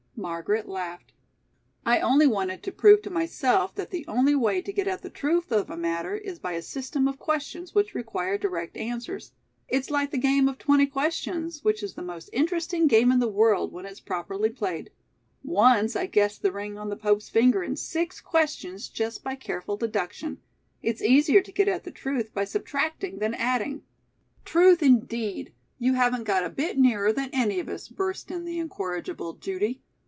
Margaret laughed. "I only wanted to prove to myself that the only way to get at the truth of a matter is by a system of questions which require direct answers. It's like the game of 'Twenty Questions,' which is the most interesting game in the world when it's properly played. Once I guessed the ring on the Pope's finger in six questions just by careful deduction. It's easier to get at the truth by subtracting than adding " "Truth, indeed. You haven't got a bit nearer than any of us," burst in the incorrigible Judy.